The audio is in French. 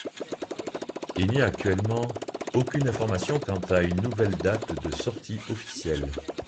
Il n’y a actuellement aucune information quant à une nouvelle date de sortie officielle.